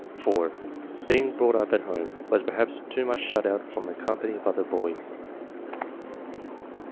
(4) "Being brought up at home; was per haps too much shut out from the company of other boys."